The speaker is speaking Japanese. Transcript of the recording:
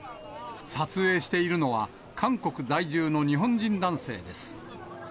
撮影しているのは、韓国在住の日本人男性です。